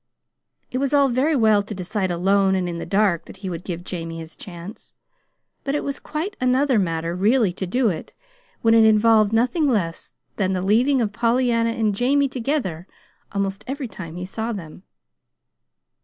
It was all very well to decide alone and in the dark that he would give Jamie his chance; but it was quite another matter really to do it when it involved nothing less than the leaving of Pollyanna and Jamie together almost every time he saw them.